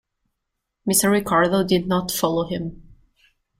Mr. Ricardo did not follow him.